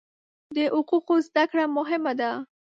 د حقوقو زده کړه مهمه ده.